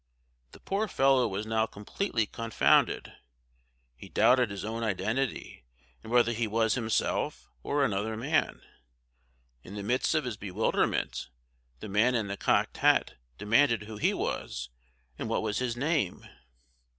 The poor fellow was now completely confounded. He doubted his own identity, and whether he was himself or another man. In the midst of his bewilderment, the man in the cocked hat demanded who he was, and what was his name?